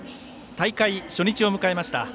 大会初日を迎えました